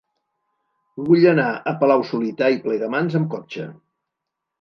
Vull anar a Palau-solità i Plegamans amb cotxe.